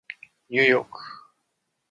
ニューヨーク